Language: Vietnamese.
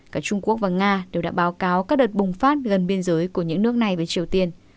cả trung quốc và nga đều đã báo cáo các đợt bùng phát gần biên giới của những nước này với triều tiên